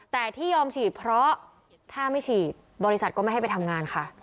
แต่ที่ยอมฉีดเพราะถ้าไม่ฉีดบริษัทก็ไม่ให้ไปทำงานค่ะ